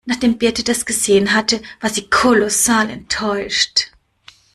Nachdem Birte das gesehen hatte, war sie kolossal enttäuscht.